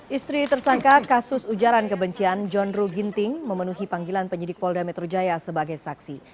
istri tersangka kasus ujaran kebencian john ruh ginting memenuhi panggilan penyidik polda metro jaya sebagai saksi